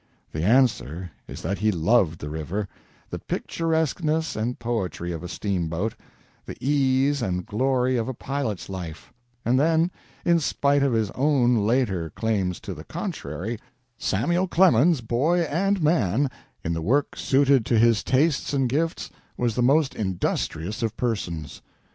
The answer is that he loved the river, the picturesqueness and poetry of a steamboat, the ease and glory of a pilot's life; and then, in spite of his own later claims to the contrary, Samuel Clemens, boy and man, in the work suited to his tastes and gifts, was the most industrious of persons.